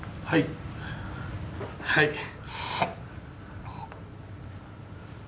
はい、はい。